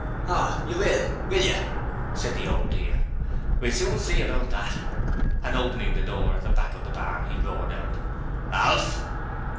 'Oh! Yer will, will yer?' said the Old Dear. 'We'll soon see about that.' And, opening the door at the back of the bar, he roared out: 'Alf!'